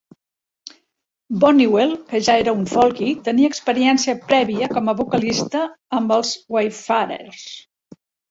Bonniwell, que ja era un "folky", tenia experiència prèvia com a vocalista amb els Wayfarers.